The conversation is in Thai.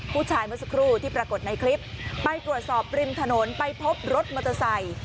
เมื่อสักครู่ที่ปรากฏในคลิปไปตรวจสอบริมถนนไปพบรถมอเตอร์ไซค์